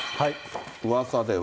うわさでは。